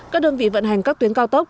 các đơn vị vận hành các tuyến cao tốc